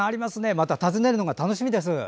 また訪ねるが楽しみです。